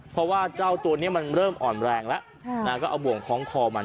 เพราะว่าเจ้าตัวนี้มันเริ่มอ่อนแรงแล้วก็เอาบ่วงคล้องคอมัน